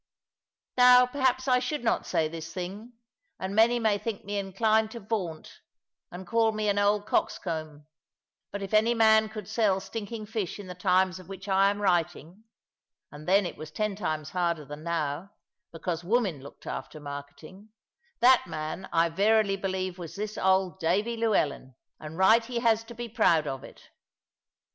Now perhaps I should not say this thing, and many may think me inclined to vaunt, and call me an old coxcomb; but if any man could sell stinking fish in the times of which I am writing and then it was ten times harder than now, because women looked after marketing that man I verily believe was this old Davy Llewellyn; and right he has to be proud of it.